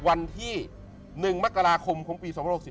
วันที่๑มกราคมของปี๒๖๔